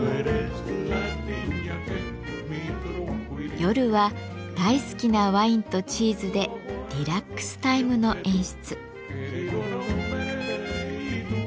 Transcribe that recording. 夜は大好きなワインとチーズでリラックスタイムの演出。